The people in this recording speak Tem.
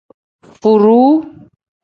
Furuu.